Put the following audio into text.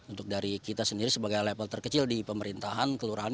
untuk dari kita sendiri sebagai level terkecil di pemerintahan kelurahan